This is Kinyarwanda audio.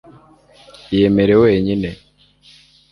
Iyemere wenyine